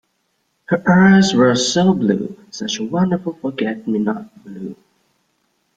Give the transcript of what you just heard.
Her eyes were so blue — such a wonderful forget-me-not blue!